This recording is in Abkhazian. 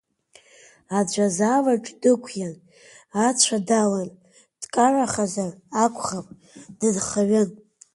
Аӡә азалаҿ дықәиан, ацәа далан, дкарахазар акәхап, дынхаҩын.